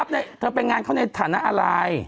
ไปร่วมเป็นงานเขาในถัดนะอะไร